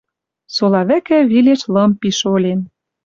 Сола вӹкӹ вилеш лым пиш олен